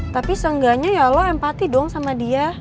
tapi seenggaknya ya allah empati dong sama dia